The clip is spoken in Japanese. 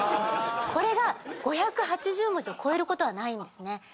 これが５８０文字を超えることはないんですね。